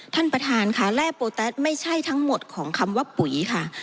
ท่านประธานค่ะแร่โปรแต๊สไม่ใช่ทั้งหมดของคำว่าปุ๋ยค่ะ